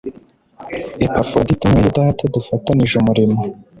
Epafuradito mwene Data dufatanije umurimo